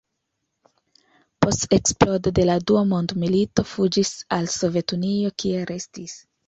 Post eksplodo de la dua mondmilito fuĝis al Sovetunio, kie restis.